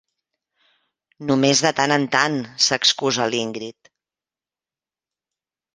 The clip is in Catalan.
Només de tant en tant —s'excusa l'Ingrid.